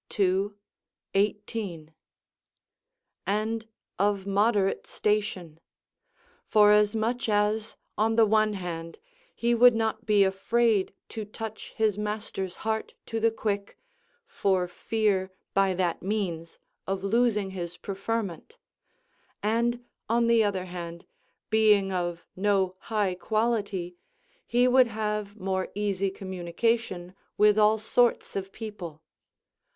ii, 18.] and of moderate station; forasmuch as, on the one hand, he would not be afraid to touch his master's heart to the quick, for fear by that means of losing his preferment: and, on the other hand, being of no high quality, he would have more easy communication with all sorts of people.